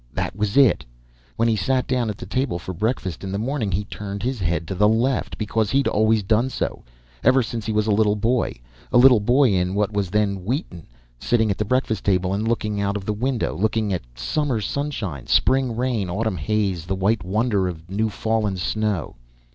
That was it. When he sat down at the table for breakfast in the morning he turned his head to the left because he'd always done so, ever since he was a little boy. A little boy, in what was then Wheaton, sitting at the breakfast table and looking out of the window. Looking out at summer sunshine, spring rain, autumn haze, the white wonder of newfallen snow.